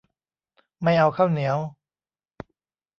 ไม่เอาข้าวเหนียว